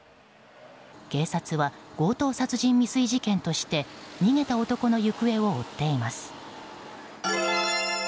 警察は強盗殺人未遂事件として逃げた男の行方を追っています。